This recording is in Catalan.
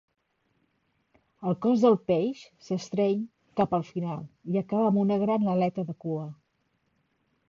El cos del peix s'estreny cap al final, i acaba amb una gran aleta de cua.